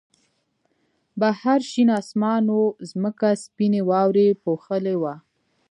بهر شین آسمان و او ځمکه سپینې واورې پوښلې وه